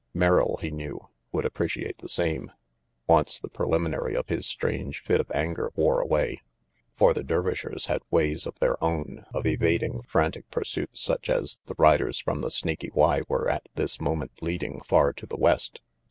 Merrill, he knew, would appreciate the same, once the preliminary of his strange fit of anger wore away. For the Dervishers had ways of their own of evading frantic pursuits such as the riders from the Snaky Y were at this moment leading far to the west.